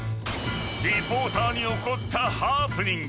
［リポーターに起こったハプニング］